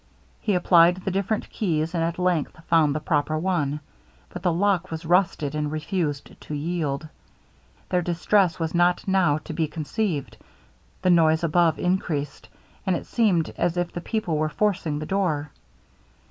He applied the different keys, and at length found the proper one; but the lock was rusted, and refused to yield. Their distress was not now to be conceived. The noise above increased; and it seemed as if the people were forcing the door.